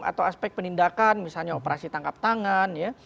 atau aspek penindakan misalnya operasi tangkap tangan ya